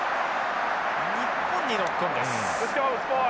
日本にノックオンです。